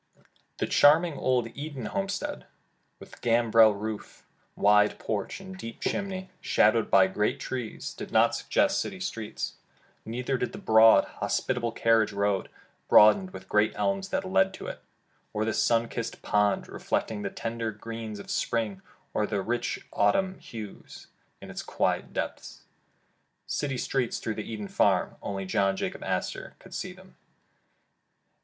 The charming old Eden homestead, with gambrel roof, wide porch, and deep chimney, shadowed by great trees, did not suggest city streets. Neither did the broad, hospitable carriage road, bordered with great elms that led to it, or the sun kissed pond reflecting the tender greens of spring, or the rich autmn hues, in its quiet depths. City streets through the Eden farm! Only John Jacob Astor could see them!